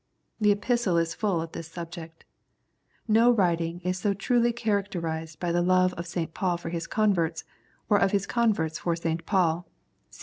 The Epistle is full of this subject. No writing is so truly character ised by the love of St. Paul for his converts, or of his converts for St. Paul (see ch.